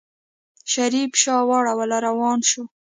شريف شا واړوله روان شو.